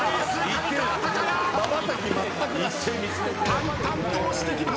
淡々と押してきました。